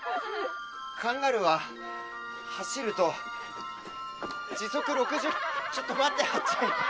・カンガルーは走ると時速６０ちょっと待ってハッチ。